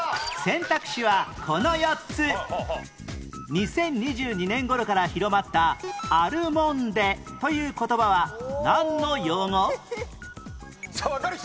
２０２２年頃から広まった「アルモンデ」という言葉はなんの用語？さあわかる人？